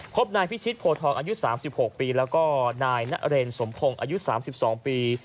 พบนายพิชิตโพทองอายุ๓๖ปีแล้วก็นายนเรนสมพงศ์อายุ๓๒ปี